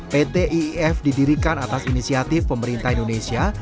pt iif didirikan atas inisiatif pemerintah indonesia